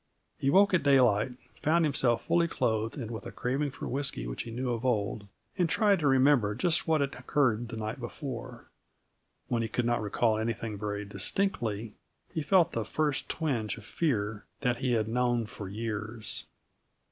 He awoke at daylight, found himself fully clothed and with a craving for whisky which he knew of old, and tried to remember just what had occurred the night before; when he could not recall anything very distinctly, he felt the first twinge of fear that he had known for years.